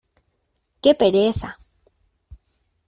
¡Qué pereza!